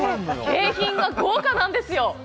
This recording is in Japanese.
景品が豪華なんですよ。